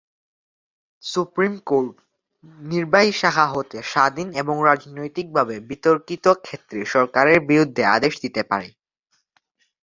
Supreme court নির্বাহী শাখা হতে স্বাধীন এবং রাজনৈতিকভাবে বিতর্কিত ক্ষেত্রে সরকারের বিরুদ্ধে আদেশ দিতে পারে।